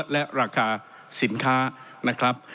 และราคาสินค้านะครับ